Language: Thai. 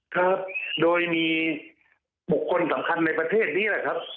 ครับโดยมีบุคคลสำคัญในประเทศนี้แหละครับ